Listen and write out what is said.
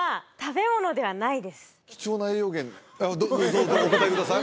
貴重な栄養源どうぞお答えください